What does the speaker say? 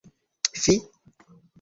Fi!